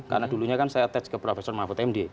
karena dulunya saya terhubung ke prof mahfud md